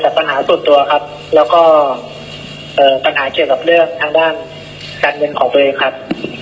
แต่ปัญหาส่วนตัวครับแล้วก็ปัญหาเกี่ยวกับเรื่องทางด้านการเงินของตัวเองครับ